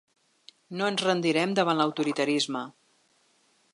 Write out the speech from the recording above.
No ens rendirem davant l’autoritarisme.